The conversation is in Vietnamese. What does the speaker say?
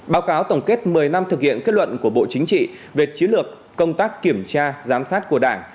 báo cáo tổng kết một mươi năm thực hiện kết luận của bộ chính trị về chiến lược công tác kiểm tra giám sát của đảng